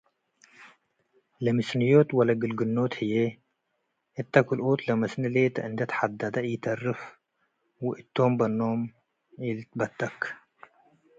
ለምስንዮት ወለግልግኖት ህዬ እተ ክልኦት ለመስኒ ሌጠ እንዴ ተሐደደ ኢተርፍ ወእቶም በኖም ኢልትበተክ ።